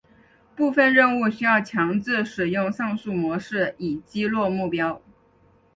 部分任务需要强制使用上述模式以击落目标。